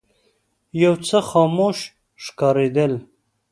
یو څه خاموش ښکارېدل.